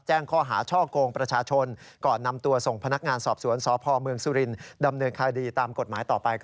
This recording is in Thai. แจ้งข้อหาช่อกงประชาชนก่อนนำตัวส่งพนักงานสอบสวนสพเมืองสุรินดำเนินคดีตามกฎหมายต่อไป